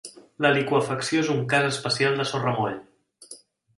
La liqüefacció és un cas especial de sorramoll.